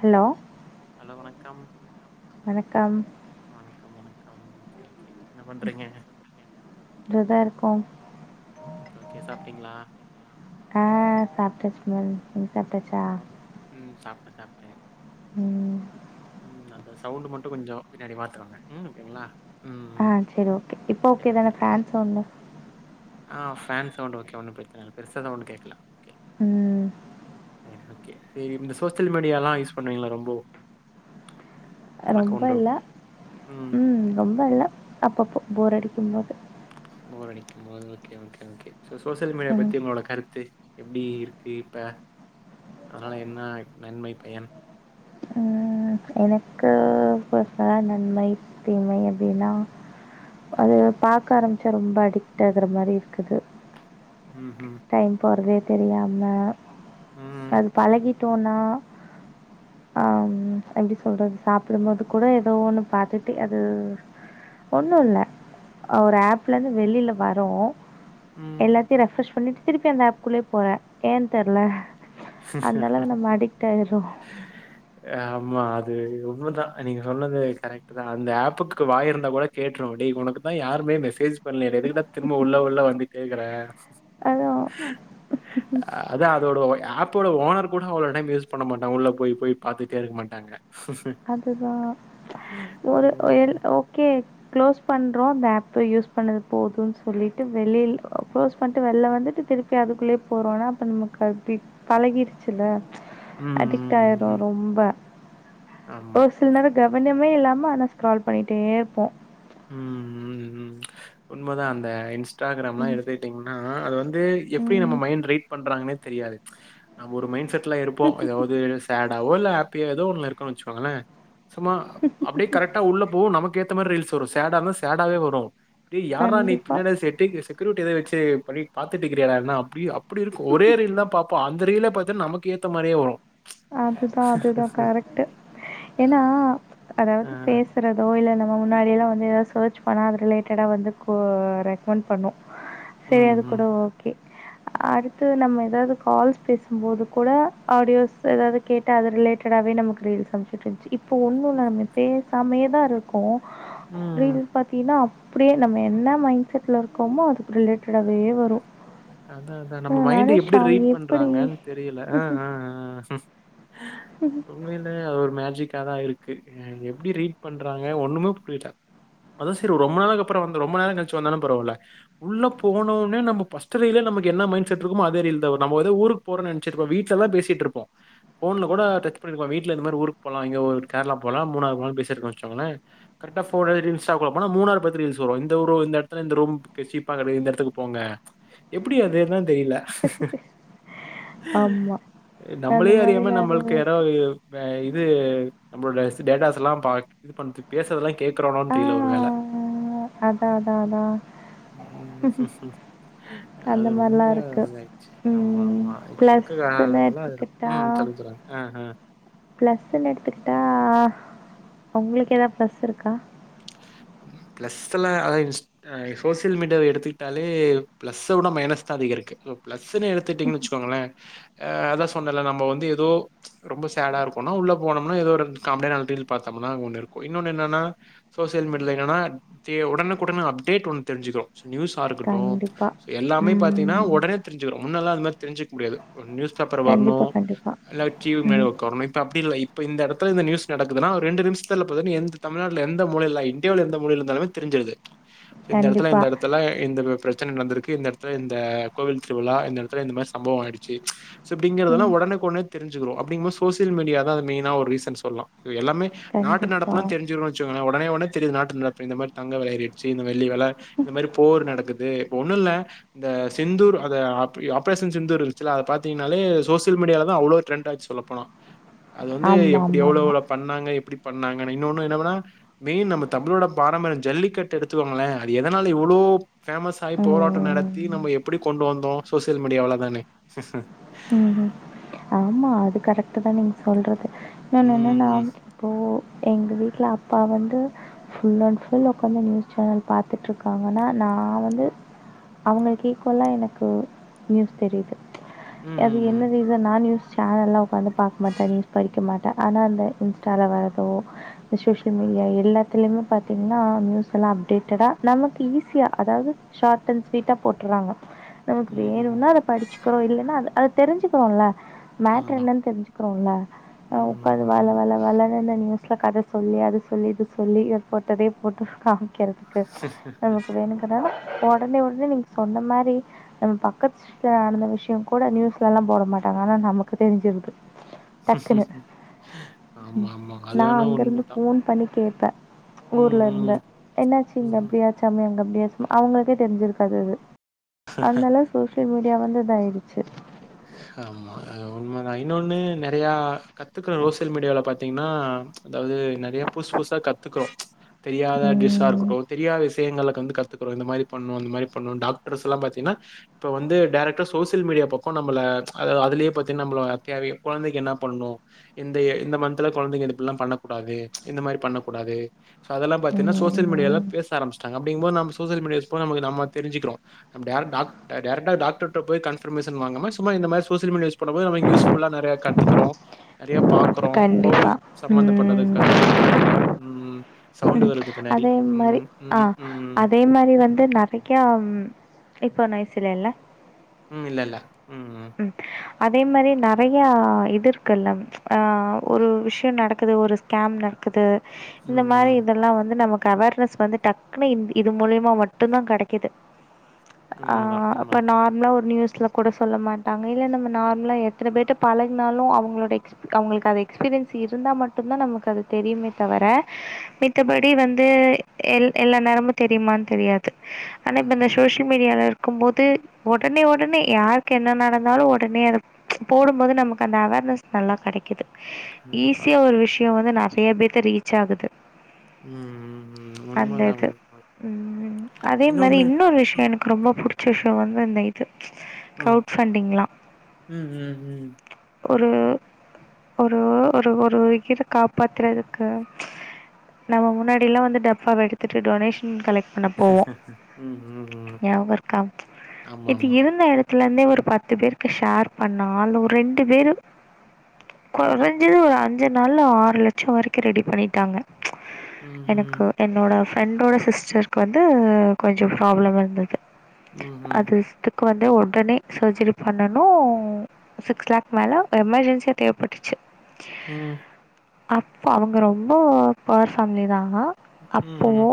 Hello hello வணக்கம் வணக்கம் வணக்கம் வணக்கம் ஓகே ஓகே என்ன பண்றீங்க ட்ருதா இருக்கோம் ஓகே ஓகே சாப்டிங்களா ஆ சாப்டாச்சுங்க நீங்க சாப்டாச்சா உம் சாப்டே சாப்டே உம் ம் அந்த சவுண்டு மட்டு கொஞ்சோ பின்னாடி பாத்துங்கோங்க ம் ஓகேங்களா ம், ஆ ம். செரி ஓகே இப்போ ஓகே தான ஃபேன் சவுண்டு ஆ ஃபேன் சவுண்டு ஓகே ஒன்னு பிரச்சன இல்லை பெருசாலா ஒன்னு கேக்கல ம் சரி ஓகே சேரி இந்த சோசியல் மீடியாலா யூஸ் பண்ணுவிங்களா ரொம்போ ரொம்ப பழக்கம் உண்டோ? இல்ல ம் ரொம்ப இல்ல அப்பப்போ போர் அடிக்கும் போது போர் அடிக்கும்போது okay okay okay so social media ம் பத்தி உங்களோட கருத்து எப்டீ இருக்கு இப்ப அதனால என்னா நன்மை பயன் ம், எனக்கு பர்ஸ்னலா நன்மை தீமை அப்டினா அது பாக்க ஆரம்பிச்சா ரொம்ப அடிக்ட்டாகுற மாறி இருக்குது உம் உம் டைம் போறதே தெரியாம ம், அது பழகிட்டோனா ஆம் எப்டி சொல்றது சாப்படும்போது கூட ஏதோ ஒன்னு பாத்துட்டே அது ஒன்னுல்ல ஒரு ஆப்லருந்து வெளியில வரோ ம். ம் எல்லாத்தையு ரெஃப்ரெஷ் பண்ணிட்டு திருப்பி அந்த ஆப்க்குள்ளயே போறே ஏ தெர்ல அந்த அளவு நம்ம அடிக்ட் ஆயிறோ ஆமா அது உண்மதா நீங்க சொன்னது கரெக்ட் அந்த ஆப்புக்கு வாயிருந்தா கூட கேட்றோ டேய் உனக்குதா யாருமே மெசேஜ் பண்லேடா எதுக்குடா திரும்ப உள்ள உள்ள வந்து கேக்குற அதான் அத அதோட ஒ ஆப் அப்போட ஓனர் கூட அவ்ளோ டைம் வேஸ் பண்ணமாட்டாங்க உள்ள போய் போய் பாத்துட்டே இருக்க மாட்டாங்க அதுதா ஒரு ம். எல் ஓகே க்ளோஸ் பண்றோ அந்த ஆப்பு யூஸ் பண்ணது போதுன் சொல்லிட்டு வெளியில க்ளோஸ் பண்ட்டு வெள்ல வந்துட்டு திருப்பி க அதுக்குள்ளே போறோனா அப்போ நமக்கு அது பழகிடுச்சில்ல ம். அடிக்ட் ஆயிட்றோ ம். ரொம்ப ஆமா. ஓர் சில நேரோ கவனமே இல்லாம ஆனா ஸ்க்ரால் பண்ணிகிட்டே இருப்போ ம் ம் ம் உண்மதா அந்த இன்ஸ்ராகிராம்லா ம் எடுத்து எப்டின்னா அது வந்து எப்டி நம்ம ம் மைண்ட்ரைட் பண்றாங்கன்னே தெரியாது நம்ப ஒரு மைண்செட் ட்ல இருப்போ ஏதாவது சேடாவோ இல்ல ஹாப்பியா எதோ ஒன்னு இருக்கோ வெச்சிக்கோங்களே சும்மா அப்டியே கரெக்டா உள்ள போவு நமக்கு ஏத்த மாரி ரீல்ஸ் வரும் சேடா இருந்தா சேடாவே வரு டே யார்ரா நீ கண்டிப்பா பின்னாடில செட்டிங் செக்யூரிட்டி ஏதாவது வெச்சி பண்ணிட் பாத்துட்டுக்கிறியாடான்னா அப்டி அப்படி இருக்கூ ஒரே ரீல் தா பாப்போ அந்த ரீல பாத்தன்னா நமக்கு ஏத்த மாரியே வரு அதுதா அதுதா கரெக்ட்டு ஏன்னா அதாவது அஹ் பேச இருக்கிறதோ இல்ல நம்ம முன்னாடியெல்லா வந்து எதாவது சர்ச் பண்ணா அத ரிலேட்டடா வந்து கோ ரெக்மெண்ட் பண்ணு செரி உம் அது உம் கூட ஓகே அடுத்து நம்ம ஏதாது கால்ஸ் பேசும்போது கூட ஆடியோஸ் எதாது கேட்டா அது ரிலேட்டடாவே நமக்கு ரீல் அம்ச்ட்ருந்துச்சி இப்போ ஒன்னுல்ல நம்ம பேசாமேயே தா இருக் கோ உம் ரீல் பாத்தீன்னா அப்டியே நம்ம என்ன மைண்ட் செட்ல இருக்கோமோ அதுக்கு ரிலேட்டடாவே வரு அதா அதா நம்ம மைண்ட் எப்டி ரீட் எப்படி? பண்றாங்கன் தெரியல ஆ ஆ ஆ ஆ ம் உண்மையிலே அது ஒரு மேஜிக்கா தா இருக்கு எப்டி ரீட் பண்றாங்க ஒன்னுமே புரியல அதுவு செரி ரொம்ப நாளு அப்பறோ வந்து ரொம்ப நேர கழிச்சி வந்தாலு பரவால்ல உள்ள போனோனே நம்ம பஸ் ட்டு ரீல்லே நமக்கு என்ன மைண்ட் செட் இருக்குமோ அதே ரீல் தா வரு நம்ம ஏதோ ஊருக்கு போறன்னு நெனச்சிட்ருப்போ வீட்லதா பேசிட்ருப்போ போன்ல கூட டச் பண்ணிருக்கலா வீட்ல இந்த மாரி ஊருக்கு போலா ஒரு கேரளா போலா மூணார் போலா பேசிட்ருக்கோனு வச்சசோங்களே கரெக்டா ஃபோர் ஏழு ரீல்ஸ்ஸா கூட போனா மூணாது பத்தி ரீல்ஸ் வரு இந்த இந்த எடத்துல இந்த ரூம் சீப்பா இந்த எடத்துக்கு போங்க எப்படி அது அதா தெரியல ஆமா. அந்த நம்பளே மாரி அறியாம நம்பளுக்கு நான் யாராவது அ இது நம்பளோட டேட்டாஸ்ல்லா பாக் இது பண்ட்டு பேசறதெல்லா கேட்குறாளோன் தெரியல ஒரு வேல அ அதா அதா அதா அது ரொம்ப இத்தாயிச்சி ஆமா ம் ஆமா இப்ப இருக்குற ப்ளஸ்ஸுன்னு ஆளுங்கெல்லா அது எடுத்துக்கிட்டா ம் சொல்லுங்க சொல்லுங்க ம் ம் ப்ளஸ்ன்னு எடுத்துக்கிட்டா உங்களுக்கு எதாவது ப்ளஸ் இருக்கா ம் பிளஸ்ல்லா அத அ சோசியல் மீடியாவ எடுத்துக்கிட்டாலே பிளஸ் கூட மைனஸ் தா அதிக இருக்கு சோ பிளஸ்ன்னு எடுத்துட்டீங்கன் வெச்சுக்கோங்களே அ அதா சொன்னல்ல நம்போ வந்து ஏதோ ரொம்ப சேடா இருக்கும்னா உள்ள போனோம்னா ஏதோ ஒரு காமெடியா நால் ரீல் பாத்தோம்னா அங்க ஒண்ணு இருக்கூ இன்னொன்னு என்னன்னா சோசியல் மீடியால என்னன்னா ஃபி உடனுக்குடன் அப்டேட் ஒன்னு தெரிஞ்சிக்றோ நியூஸ் ஸா கண்டிப்பா. இருக்கட்டு எல்லாமே பாத்தீங்கன்னா ம் ஒடனே தெரிஞ்சிக்கிறோ முன்னல்லா அது மாரி தெரிஞ்சுக்க முடியாது ஒரு நியூஸ் பேப்பர் வர்ணு கண்டிப்பா கண்டிப்பா. இல்ல டிவி முன்னாடி ம் உக்காரணு இப்போ அப்டி இல்ல இப்ப இந்த எடத்துல இந்த நியூஸ் நடக்குதுனா ஒரு ரெண்டு நிமிஷத்துல போய் எந்த தமிழ்நாட்ல எந் த மூலையில இண்டியாவுல எந்த மூலையில இருந்தாலுமே தெரிஞ்சிருது இந்த எடத்துல கண்டிப்பா. இந்த எடத்துல இந்த மாரி பிரச் பிரச்சன நடந்திருக்கு இந்த எடத்துல இந்த கோவில் திருவிழா இந்த எடத்துல இந்த மாரி சம்பவம் ஆயிடுச்சி சோ அப்டிங்கிறதெல்லா ம் ஒடனக்குடனே தெரிஞ்சுகிறோ அப்டிங்கும் போ சோசியல் மீடியா தா அது மெய்னா ஒரு ரீசன் சொல்லலா இது எல்லாமே நாட்டு கண்டிப்பா. நடப்புல்லா தெரிஞ்சிக்கிறோனு வெச்சிங்கள ஒடனே ஒடனே தெரியுது நாட்டு நடப்பு இந்த மாரி தங்க வெல ஏறிடுச்சி இந்த வெள்ளி வெல இந்த மாரி போர் நடக்குது ஒன்னு இல்ல இந்த சிந்தூர் அத ஆஃப் ஆப்ரேஷன் சிந்தூர் இருந்ச்சுல அத பாத்தீங்கன்னாலே சோசியல் மீடியால தா அவ்ளோ ட்ரெண்டாச்சு சொல்லப் போனா [inaudible] அது வந்து எப்டி ஆமாமாமா. எவ்ளோவ்ளோ பண்ணாங்க எப்டி பண்ணாங்கன்னு இன்னொன்னு என்னவெனா மெயின் நம்ம தமிழோட பாரம்பரிய ஜல்லிக்கட்டு எடுத்துக்கோங்களே அது எதனால இவ்ளோ ஃபேமஸ் ஆயி போராட்ட நடத்தி ம். நம்ம எப்டி கொண்டு வந்தோ சோசியல் மீடியாலதானே ம் ஆமா அது கரெக்ட்டு தா நீங்க சொல்றது இன்னொன்னு ம், என்னன்னா ம். இப்போ எங்க வீட்ல அப்பா வந்து ஃபுல் அண்ட் ஃபுல் உக்காந்து நியூஸ் சேனல் பாத்துட்டு இருக்காங்கன்னா நா வந்து அவுங்களுக் ஈக்வலா எனக்கு நியூஸ் தெரியுது அது ம், என்ன ம், ரீசன் நா நியூஸ் சேனல்லா உக்காந்து பாக்க மாட்ட நியூஸ் படிக்க மாட்ட ஆனா அந்த இன்ஸ்டால வர்றதோ இந்த சோசியல் மீடியா எல்லாத்துலயுமே பாத்தீங்கன்னா நியூஸ் எல்லா அப்டேட்டடா நமக்கு ஈஸியா அதாது ஷார்ட் அண்ட் ஸ்வீட்டா போட்டுறாங்க நமக்கு ம். வேணுன்னா அத படிச்சிக்கிறோ இல்லன்னா அத அத தெரிஞ்சுக்கிறோல மேட்டர் ஆமா. என்னனு தெரிஞ்சுக்கிறோல ம், ஆ உக்காந்து ம், வல வல வலனு இந்த நியூஸ்ல கத சொல்லி அது சொல்லி இது சொல்லி இத போட்டதே போட்டு காமிக்கறது க்கு நமக்கு வேணுங்கிறத ஒடனே ஒடனே நீங்க சொன்ன மாரி நம்ம பக்கத் ச்ட நடந்த விஷய கூட நியூஸ்ல எல்லா போட மாட்டாங்க ஆனா நமக்கு தெரிஞ்சிருது டக்குன்னு ம். ஆமா, ம் ஆமா. அது நா வேணா அங்கருந்து உண்மதான். ஃபோன் பண்ணி கேப்ப ம், ஊர்ல இருந்த ம், என்னாச்சு இங்க ம். அப்டியாச்சாமே அங்க அப்டியாச்ச அவுங்களுக்கே தெரிஞ்சிருக்காது அது அதுனால சோசியல் மீடியா வந்து இதாயிடுச்சு ஆமா ஆ உண்ம தா இன்னொன்னு நெறையா கத்துக்கறோ சோசியல் மீடியாவுல பாத்தீங்கன்னா அதாவுது நெறைய புசு புசா கத்துக்றோ தெரியாத டிஸ்ஸா ம். இருக்கட்டு தெரியாத விஷயங்களுக்கு வந்து கத்துக்கறோ இந்த மாரி பண்ணு இந்த மாரி பண்ணு டாக்டர்ஸ் எல்லா பாத்தீங்கன்னா இப்போ வந்து டேரக்டா சோசியல் மீடியா பக் கோ நம்மள அது அதுலயே பாத்தி நம்பள கேரிய கொழந்தைக்கு என்ன பண்ணணு இந்த இந்த மந்த்ல கொழந்தைங்க இப்டிலா பண்ணக் கூடாது இந்த மாரி பண்ணக்கூடாது சோ அதெல்லா பாத்தின்னா சோசியல் மீடியாலா ம். பேச ஆரம்பிச்சிட்டாங்க அப்டிங்கும்போ நம் சோசியல் மீடியா போனா நமக்கு நம்ம தெரிஞ்சிக்கிறோ நம் டேரக் டாக்ட் டேரக்டா டாக்டர்ட்ட போய் கன்ஃபர்மேஷ் சன் வாங்காம சும்மா இந்த மாரி சோசியல் மீடியா யூஸ் பண்ணும் போது நமக் யூஸ்ஃபுல்லா நெறைய கத்துக்குறோ நெறைய கண்டிப்பா ம் கற்றுக்குறோம் ம் சவுண்ட் ம். வருது பின்னாடி அதே மாரி ம் ஆ ம் ம் அதே மாரி வந்து ந வைக்கா இப்போ நைசிலல்லல ம் இல்லல்ல ம் ம் அதே மாரி நெறையா இது இருக்குல்ல ஆ ஒரு விஷய நடக்குது ஒரு ஸ்கேம் நடக்குது இந்த மாரி ம் இதெல்லா வந்து நமக்கு அவர்னஸ் வந்து டக்குனு இது மூலியமா மட்டுதா கெடைக்குது அ உண்மைதான் இப்ப உண்மைதான் ந ஒரு நியூஸ்ல கூட சொல்ல மாட்டாங்க இல்ல நம்ம நார்மலா எத்தன பேர்ட்ட பழகினாலு அவங்களுடைய அவங்களுக்கு அந்த எக்ஸ்பீரியன்ஸ் இருந்தா மட்டு தா நமக்கு அது தெரியுமே தவிர மித்தபடி வந்து எல்லா நேரமு தெரியுமான்னு தெரியாது ஆனா ம் இப்ப இந்த ம், சோஷ மீடியால இருக்கு போது ஒடனே ஒடனே யாருக்கு என்ன நடந்தாலு ஒடனே அத போடும்போது நமக்கு அந்த அவேர்னஸ் நல்லா கெடைக்குது கண்டிப்பா ஈஸியா ஒரு விஷய வந்து நெறைய பேத்த ரீச் ஆகுது ம் அந்த உண்மைதான் இது உண்மை ம் அதே மாரி இன்னொன்று இன்னொரு ம் விஷய எனக்கு ரொம்ப புடிச்ச விஷய வந்து இந்த ம் கவுண்ட்ப்பண்டிங்லா ம் ம் ஒரு ஒரு ஒரு ஒரு உயிர் காப்பாத்துறதுக்கு நம்ம முன்னாடில்லா வந்து டப்பாவ எடுத்துட்டு டொனேஷன் கலெக்ட் பன்ன போவோ ம் ம் ம் ம். நியாபகோ இருக்கா ஆமா இது ஆமா இருந்த இடத் ல இருந்தே ஒரு பத்து பேருக்கு ஷேர் பண்ணா அதுல ஒரு ரெண்டு பேரு கொறைஞ்சது ஒரு அஞ்சு நாள்ல ஆறு லட்சோ வரைக்கு ரெடி பண்ணிட்டாங்க ம் ம் எனக்கு என்னோட ஃப்ரெண்டோட சிஸ்டருக்கு வந்து கொஞ்சோ ப்ராப்ளோ இருந்தது ம் ம் அது வெஸ்ட்டு க்கு வந்து ஓடனே சர்ஜரி பண்ணனு சிக்ஸ் லேக் மேல எமர்ஜென்சி தேவைப்பட்டுச்சு ம் அப்போ அவங்க ரொம்ப போர் ஃபேமிலி தா ம் அப்போ ம்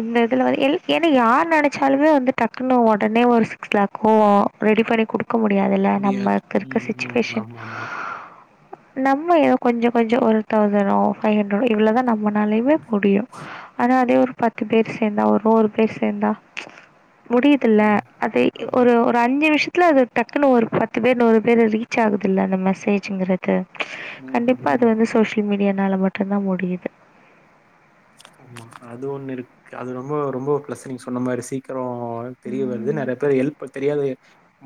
இந்த இதில வந்து ஏன்னா யார் நெனைச்சாலுமே வந்து டக்குனு ஓடனே ஒரு சிக்ஸ் லேக்கோ ரெடி பண்ணி குடுக் இருக்க முடியாதுல்ல முடியாது நமக்கு இருக்க ம் ம் சிச்சுவேஷன் ஆமா ஆமா நம்ம ஏதோ கொஞ்சோ கொஞ்சோ ஒரு தவ்சண்னோ ஃபைவ் ஹண்ட்ரடோ இவ்ளோ தா நம்மாலயுமே முடியு ஆனா அதே ஒரு பத்து பேரு சேந்தா ஒரு நூறு பேரு சேந்தா முடியுதுல ம் அது ஆமா ஒரு ஒரு அஞ்சு நிமிசத்துல அது டக்குன்னு ஒரு பத்து பேர் ஒரு பேர் ரீச் ஆகுதல்ல அந்த மெசேஜ்ங்கறது அது ம் கண்டிப்பா ம் அது வந்து சோசியல் மீடியனால மட்டுதா முடியுது அது ஒண்ணு இருக் அது ரொம்ப ரொம்ப பிளஸ் நீங்க சொன்ன மாரி சீக்கறோ ஒனக்கு தெரிய வருது ம் நறைய பேர் ஹெல்ப் தெரியாத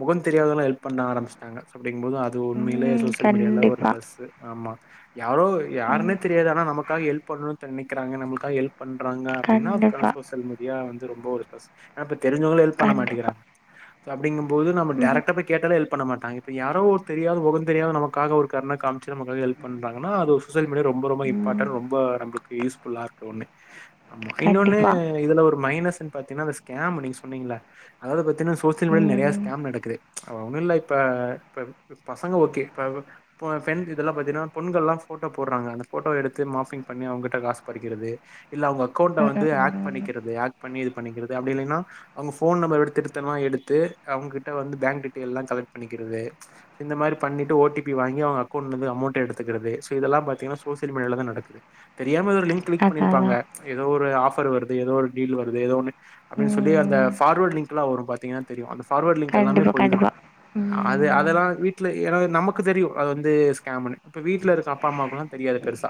முகோ தெரியாத ஹெல்ப் பண்ண ஆரம்பச்ட்டாங்க அப்டிங்போது அது அது உண்மையிலே ம் சோசியல் மீடியால ஒரு கண்டிப்பா பிளஸ் ஆமா யாரோ யாருன்னே ம் தெரியாது ஆனா நமக்காக ஹெல்ப் பண்ணணும்னு நிக்கிறாங்க நம்மளுக்காக ஹெல்ப் பண்றாங்க அப்டின்னா அதுக்கான கண்டிப்பா சோசியல் மீடியா வந்து ரொம்ப ஒரு ப்ளஸ் இப்ப தெரிஞ்சவங்களே ஹெல்ப் பண்ண கண்டிப்பா மாட்டேங்கிறாங்க அப்படிங் போது நம்ம ம் டரக்டா போய் கேட்டாலே ஹெல்ப் பண்ண மாட்டாங்க இப்போ யாரோ ஒரு தெரியாத மொகோ தெரியாத நமக்காக ஒரு கருணை காமிச்சு நமக்காக ஹெல்ப் பண்றாங்கனா அது ஒரு சோசியல் மீடியா ரொம்ப ரொம்ப ம் இம்பார்டன்ட் ரொம்ப நம்மளுக்கு யூஸ்ஃபுல்லா இருக்கு ஒன்னு ஆமா இன்னொன்னு கண்டிப்பா இதுல ஒரு மைனஸ்ன்னு பாத்தீங்கன்னா அ ஸ்கேம் நீங்க சொன்னீங்கள அதாவது பாத்தீங்கனா சோசியல் மீடியாவில நறைய ம் ஸ்கேம் நடக்குது ஒன்னும் இல்ல இப்ப இப்ப பசங்க ஓகே இப்ப அ பெண் இதெல்லா பாத்தீங்கன்னா பொண்கள் எல்லா போட்டோ போடுறாங்க அந்த போட்டோ எடுத்து மாபிங் பண்ணி அவ கிட்ட காசு பறி க்கிறது இல்ல அவங்க அக்கவுண்ட ம் வந்து ம் ஆக் ம் பண்ணிக்கிறது ஆக் பண்ணி இது பண்ணிக்கிறது அப்படி இல்லைன்னா அவங்க போன் நம்பர் திருத்தமா எடுத்து அவங்ககிட்ட வந்து பேங்க் டீட்டெயில் எல்லா கலெக்ட் பண்ணிக்கிறது இந்த மாரி பண்ணிட்டு ஓ டி பி வாங்கி அவங்க அக்கௌண்ட்லந்து அமொண்ட் எடுத்துக்கிறது சோ இதெல்லா பாத்தீங்கன்னா சோசியல் மீடியால தா நடக்குது தெரியாம தா ஒரு லிங்க் கிளிக் அதா அதா பண்ணிருப்பாங்க ஏதோ ஒரு ஆஃபர் வருது ஏதோ ஒரு டீல் வருது ஏதோ ஒன்னு அப்பிடின்னு சொல்லி அந்த ம் ஃபார்வர்ட் லிங்க் எல்லா வரு பாத்தீங்கன்ன தெரியு அந்த ஃபார்வர்ட் லிங்க் எல்லாமே கண்டிப்பா பொய் தா கண்டிப்பா அது ம் அதெல்லா வீட்ல ஏன்னா நமக்கு தெரியு அது வந்து ஸ்கேம்ன்னு இப்போ வீட்ல இருக்க அப்பா அம்மாவுக்குலா தெரியாது பெருசா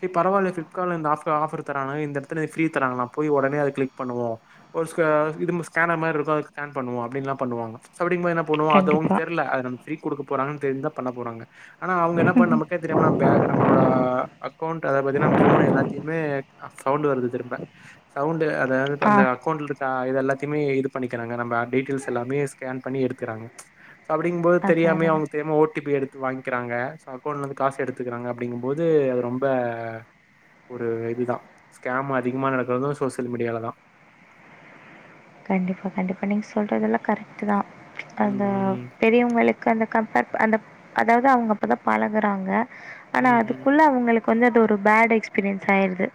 செரி பரவால்ல ஃபிப்கார்ட்ல இந்த ஆப் இப்ப ஆஃபர் தராங்க இந்த எடத்தல ஃப்ரி தராங்களா போய் ஒடனே அத கிளிக் பண்ணுவோ இப்போ ஸ்கே இது ஸ்கேனர் மாரி இருக்கோ அது ஸ்கேன் பண்ணுவோ அப்பிடின்லா பண்ணுவாங் சோ அப்டின்ற போ என்ன போனு அது அவுங்களுக்கு கண்டிப்பா தெர்ல அது நமக்கு ஃப்ரி குடுக்க போறாங்க தெரிஞ்சா பண்ண போறாங்க ஆனா அவுங்க என்ன பண்ண நமக்கே தெரியாம நம்ப பேங்க் நம்பரோட அக்கவுண்ட் அத பத்தின ஃபோன் எல்லாதையுமே சவுண்ட் வருது திரும்ப சவுண்ட் அதாவது ஆ அந்த அக்கவுண்ட் ஆ இது எல்லாத்தையுமே இது பண்ணிக்கிறாங்க நம்ம டீட்டெயில்ஸ் எல்லாமே ஸ்கேன் பண்ணி எடுக்கறாங்க அப்பிடிங்கும் போது அதா தெரியாமையே அதா அவுங்களுக்கு தெரியாம ஓ டி பி எடு வாங்கிக்கிறாங்க அக்கவுண்ட்ல இருந்து காசு எடுத்துக்கிறாங்க அப்பிடிங்கும் போது அது ரொம்ப ஒரு இது தா ஸ்கேம் அதிகமா நடக்கறது சோசியல் மீடியாவுல தா கண்டிப்பா கண்டிப்பா நீங்க சொல்றதெல்லா கரெக்ட்டு தா அந்த ம், ம், பெரியவுங்களுக்கு அந்த கம்பேர் ப அந்த அதாவது அவுங்க அப்ப தா பழகறாங்க ஆனா ம், ம். அதுக்குள்ள அவுங்களுக்கு வந்து அது ஒரு பேட் எக்ஸ்பீரியன்ஸ் ஆயிடுது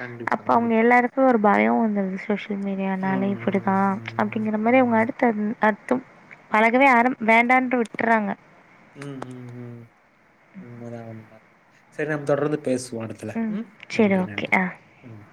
கண்டிப்பா, அப்ப அவுங்க கண்டிப்பா. எல்லாருக்கும் ஒரு பயம் வந்துருது சோசியல் மீடியானாலே ம், ம், அப்பிடிதான் ம், ம். அப்பிடிங்கிற மாரி ஆமா, அவுங்க ஆமா. அடுத்தது அ பழகவே ஆர வேண்டான்டு விட்டுறாங்க ம் ம் ம் உண்மதான் உண்ம தான் சரி நம்ம தொடர்ந்து பேசுவோ எடத்துல ம் சரி, நன்றி ஓகே. நன்றி ஆ. ம்